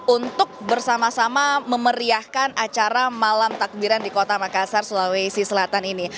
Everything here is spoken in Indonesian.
untuk bersama sama memeriahkan acara malam takbiran di kota makassar sulawesi selatan ini